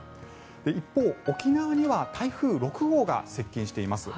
一方、沖縄には台風６号が接近しています。